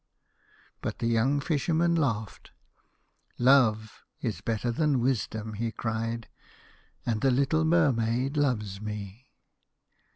But the young Fisherman laughed. "Love is better than Wisdom," he cried, " and the little Mermaid loves me."